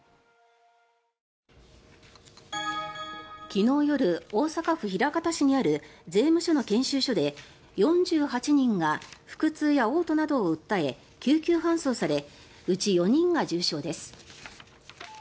昨日夜、大阪府枚方市にある税務署の研修所で４８人が腹痛やおう吐などを訴えて救急搬送されうち４人が重症です。